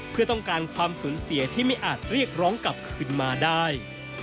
เพื่อต้องการความสูญเสียที่ไม่อาจเรียกร้องกลับคืนมาได้